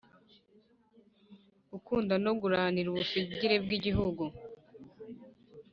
Gukunda no guranira ubusugire bw’ Igihugu